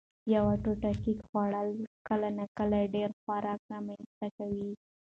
یوه ټوټه کېک خوړل کله ناکله ډېر خوراک رامنځ ته کوي.